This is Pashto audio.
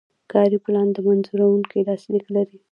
کاري پلان د منظوروونکي لاسلیک لري.